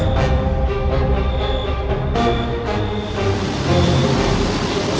kau akan menyesalinya